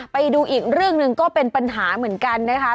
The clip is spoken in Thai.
ไปดูอีกเรื่องหนึ่งก็เป็นปัญหาเหมือนกันนะคะ